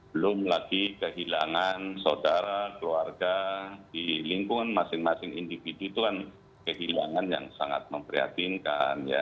belum lagi kehilangan saudara keluarga di lingkungan masing masing individu itu kan kehilangan yang sangat memprihatinkan